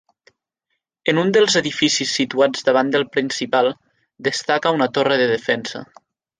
En un dels edificis situats davant del principal destaca una torre de defensa.